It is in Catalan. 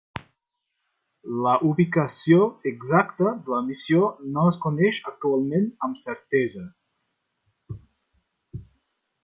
La ubicació exacta de la missió no es coneix actualment amb certesa.